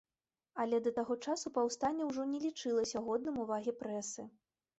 Але да таго часу паўстанне ўжо не лічылася годным увагі прэсы.